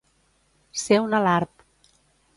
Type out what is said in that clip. Ser un alarb.